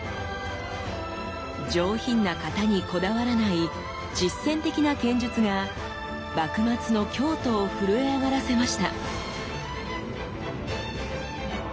上品な形にこだわらない実践的な剣術が幕末の京都を震え上がらせました。